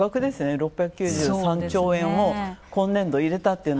６９３兆円を今年度入れたっていうの。